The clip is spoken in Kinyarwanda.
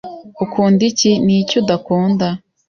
Ukunda iki? Ni iki udakunda?